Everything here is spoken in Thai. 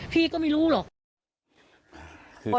พี่ก็ไม่รู้หรอก